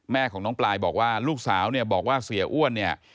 แม่ของน้องปลายบอกว่าลูกสาวบอกว่าเสียอ้วน